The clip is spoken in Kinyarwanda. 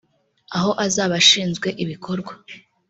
aho azaba ashinzwe ibikorwa